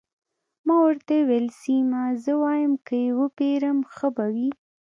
ما ورته وویل: سیمه، زه وایم که يې وپېرم، ښه به وي.